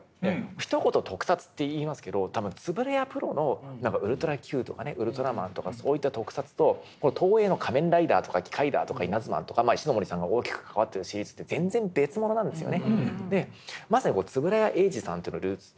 ひと言特撮って言いますけど多分円谷プロの「ウルトラＱ」とか「ウルトラマン」とかそういった特撮とこの東映の「仮面ライダー」とか「キカイダー」とか「イナズマン」とか石森さんが大きく関わってるシリーズって全然別物なんですよね。